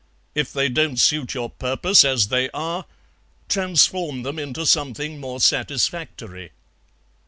If they don't suit your purpose as they are, transform them into something more satisfactory."